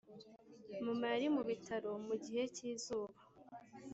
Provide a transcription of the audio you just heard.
mama yari mu bitaro mu gihe cyizuba.